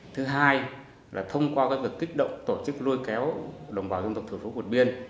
thứ hai là thông qua các việc kích động tổ chức lôi kéo đồng bào dân tộc thiểu số quận biên